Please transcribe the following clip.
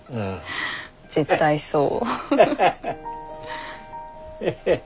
絶対そう。